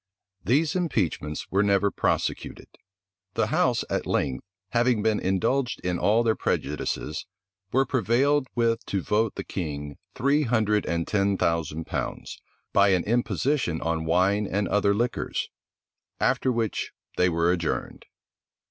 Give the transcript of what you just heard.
These impeachments were never prosecuted. The house at length, having been indulged in all their prejudices, were prevailed with to vote the king three hundred and ten thousand pounds, by an imposition on wine and other liquors; after which they were adjourned.